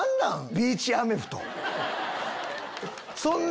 「ビーチアメフト」。